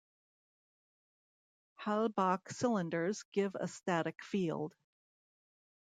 Halbach cylinders give a static field.